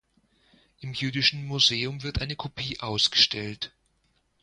Im jüdischen Museum wird eine Kopie ausgestellt.